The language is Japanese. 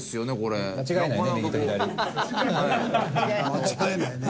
間違えないね